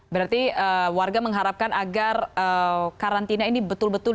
berarti warga mengharapkan agar karantina ini betul betul